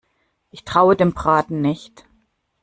Ich traue dem Braten nicht.